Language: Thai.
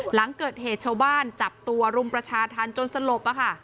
หลังเกิดเหตุชาวบ้านจับตัวรุมประชาธรรมจนสลบ